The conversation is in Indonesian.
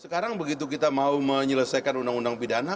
sekarang begitu kita mau menyelesaikan undang undang pidana